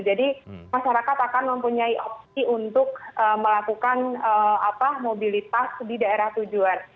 jadi masyarakat akan mempunyai opsi untuk melakukan mobilitas di daerah tujuan